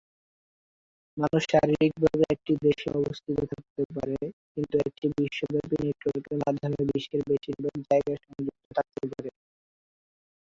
মানুষ শারীরিকভাবে একটি দেশে অবস্থিত থাকতে পারে, কিন্তু একটি বিশ্বব্যাপী নেটওয়ার্কের মাধ্যমে বিশ্বের বেশিরভাগ যায়গায় সংযুক্ত থাকতে পারে।